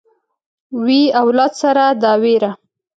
وي اولاد سره دا وېره